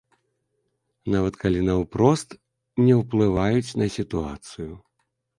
Нават калі наўпрост не ўплываюць на сітуацыю.